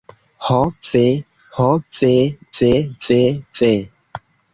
Ho ve. Ho ve ve ve ve.